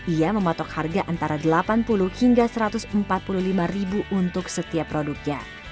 ia mematok harga antara delapan puluh hingga rp satu ratus empat puluh lima untuk setiap produknya